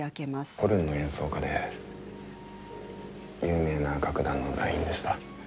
ホルンの演奏家で有名な楽団の団員でした。